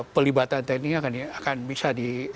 pelibatan tni akan bisa